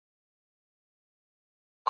بیرته منصوري ځنځیر له ښار څخه ایستلی یم `